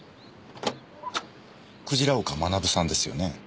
鯨岡学さんですよね？